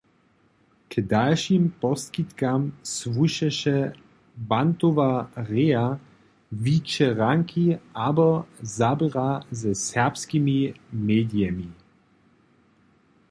K dalšim poskitkam słušeše bantowa reja, wiće ranki abo zaběra ze serbskimi medijemi.